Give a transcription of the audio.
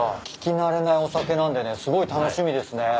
聞き慣れないお酒なんでねすごい楽しみですね。